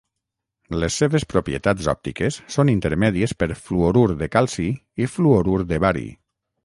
Les seves propietats òptiques són intermèdies per fluorur de calci i fluorur de bari.